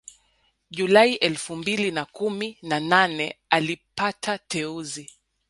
Julai elfu mbili na kumi na nane alipata teuzi